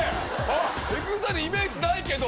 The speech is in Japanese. ＥＸＩＬＥイメージないけど。